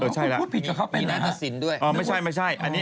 คุณพูดผิดเขาเป็นอะไรครับอ๋อไม่ใช่